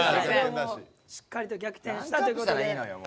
しっかりと逆転したという事で。